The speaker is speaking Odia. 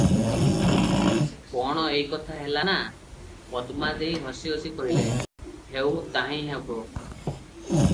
କଣ ଏଇ କଥା ହେଲା ନା?" ପଦ୍ମା ଦେଈ ହସି ହସି କହିଲେ, "ହେଉ ତାହିଁ ହେବ ।"